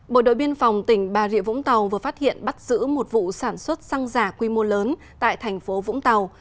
bộ đội biên phòng tỉnh bà rịa vũng tàu vừa phát hiện bắt giữ một vụ sản xuất xăng giả quy mô lớn tại thành phố vũng tàu